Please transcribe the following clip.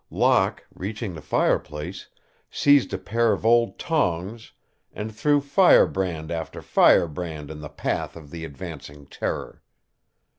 Locke, reaching the fireplace, seized a pair of old tongs and threw firebrand after firebrand in the path of the advancing terror.